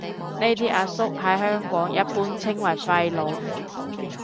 呢啲阿叔喺香港一般稱為廢老